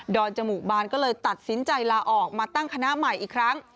จมูกบานก็เลยตัดสินใจลาออกมาตั้งคณะใหม่อีกครั้ง